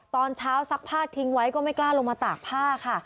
ตอนเช้าซักผ้าทิ้งไว้ก็ไม่กล้าลงมาตากผ้าค่ะ